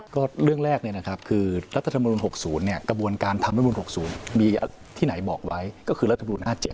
ก็เรื่องแรกเนี่ยนะครับคือรัฐธรรมรุนหกศูนย์เนี่ยกระบวนการทำรัฐธรรมรุนหกศูนย์มีที่ไหนบอกไว้ก็คือรัฐธรรมรุนห้าเจ็บ